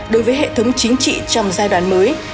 đối với hệ thống chính trị trong giai đoạn mới